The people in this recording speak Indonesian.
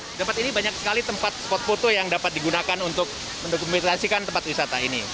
di tempat ini banyak sekali tempat spot foto yang dapat digunakan untuk mendokumentasikan tempat wisata ini